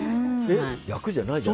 役じゃないじゃん。